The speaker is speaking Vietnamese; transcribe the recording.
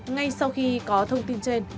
ngay sau khi có thông tin trên